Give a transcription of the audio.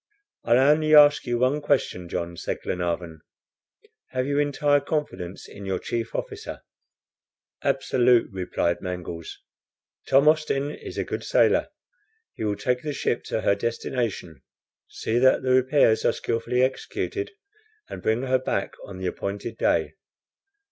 "I'll only ask you one question, John," said Glenarvan. "Have you entire confidence in your chief officer?" "Absolute," replied Mangles, "Tom Austin is a good sailor. He will take the ship to her destination, see that the repairs are skilfully executed, and bring her back on the appointed day.